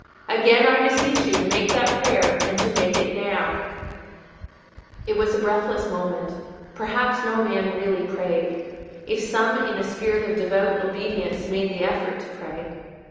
Again I beseech you to make that prayer, and to make it now." It was a breathless moment: perhaps no man really prayed, if some in a spirit of devout obedience made the effort to pray.